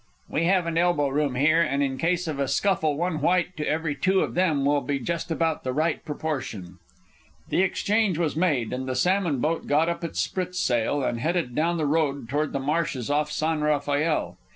"We haven't elbow room here, and in case of a scuffle one white to every two of them will be just about the right proportion." The exchange was made, and the salmon boat got up its spritsail and headed down the bay toward the marshes off San Rafael.